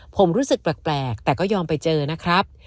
ผมรู้สึกแปลกแต่ก็ยอมไปเจอนะครับ